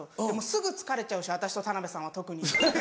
すぐ疲れちゃうし私と田辺さんは特に。